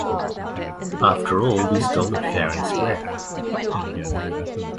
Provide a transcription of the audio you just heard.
After all, we stole it fair and square.